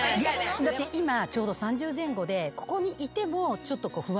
だって今ちょうど３０前後でここにいてもちょっと不安が募る。